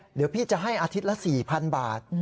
เดี๋ยวพี่จะให้อาทิตย์ละ๔๐๐๐บาท